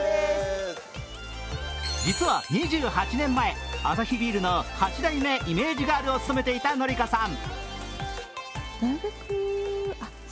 実は２８年前アサヒビールの８代目イメージガールを務めていた紀香さん。